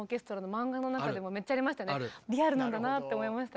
リアルなんだなって思いました。